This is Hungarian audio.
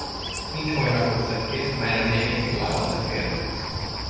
Nincs oly rakott szekér, melyre még egy villával ne férne.